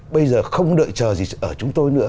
bây giờ không đợi chờ gì ở chúng tôi nữa